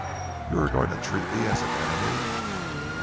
'" "You are going to treat me as an enemy?"